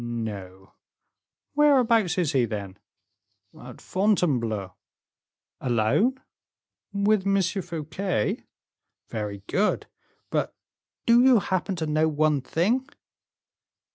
"No." "Whereabouts is he, then?" "At Fontainebleau." "Alone?" "With M. Fouquet." "Very good. But do you happen to know one thing?"